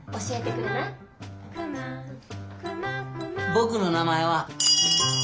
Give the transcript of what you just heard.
僕の名前は。